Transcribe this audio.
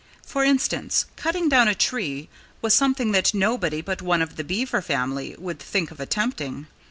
For instance, cutting down a tree was something that nobody but one of the Beaver family would think of attempting.